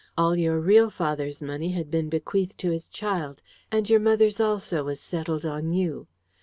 All your real father's money had been bequeathed to his child: and your mother's also was settled on you.